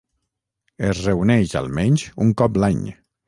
Es reuneix almenys un cop l'any.